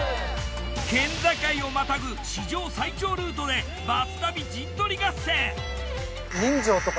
県境をまたぐ史上最長ルートでバス旅陣取り合戦。